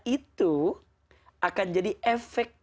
itu akan jadi efek